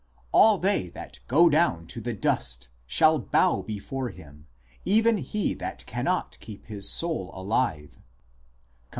All they that go down to the dust ( dphdr) shall bow before him, even he that cannot keep his soul alive," cp.